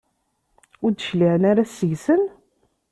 Ur d-cliɛen ara seg-sen?